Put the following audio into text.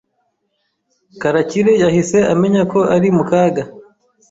Karakire yahise amenya ko ari mu kaga.